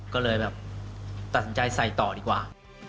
ก็เลยแบบตัดสินใจใส่ต่อดีกว่า